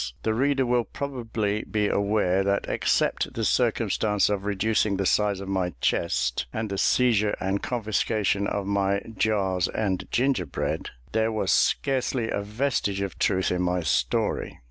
The reader will probably be aware that except the circumstance of reducing the size of my chest, and the seizure and confiscation of my jars and gingerbread, there was scarcely a vestige of truth in my story.